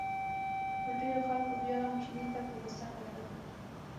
خو ډېرو خلکو بیا هم چیني ته په غوسه کتل.